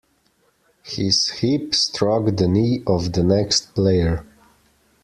His hip struck the knee of the next player.